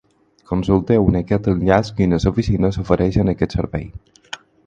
Consulteu en aquest enllaç quines oficines ofereixen aquest servei.